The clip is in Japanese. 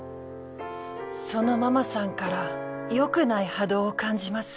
そのママさんからよくない波動を感じます。